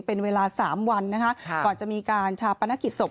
เป็นเวลา๓วันนะคะก่อนจะมีการชาปนกิจศพ